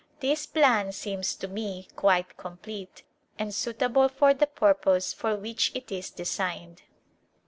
This plan seems to me quite complete and suitable for the purpose for which it is designed.